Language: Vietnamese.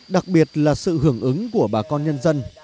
đặc biệt là sự hưởng ứng của bà con nhân dân